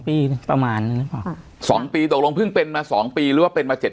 ปีประมาณสองปีตกลงเพิ่งเป็นมาสองปีหรือว่าเป็นมาเจ็ด